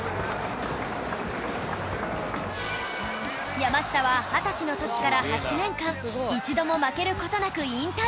山下は二十歳の時から８年間一度も負ける事なく引退